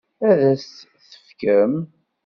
Ad as-tt-tefkem?